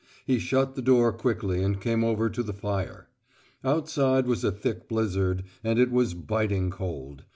He shut the door quickly and came over to the fire. Outside was a thick blizzard, and it was biting cold.